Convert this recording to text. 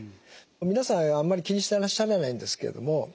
皆さんあんまり気にしてらっしゃらないんですけども